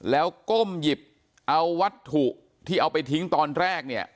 แล้วก้มหยิบเอาวัตถุที่เอาไปทิ้งตอนแรกเนี่ย